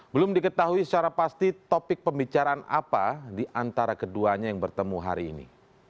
belum diketahui secara pasti topik pembicaraan apa di antara keduanya yang bertemu hari ini